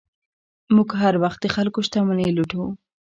موږ هر وخت د خلکو شتمنۍ لوټو.